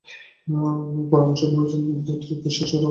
পরের মৌসুমেই উইজডেন কর্তৃক বর্ষসেরা ক্রিকেটারের মর্যাদা পান তিনি।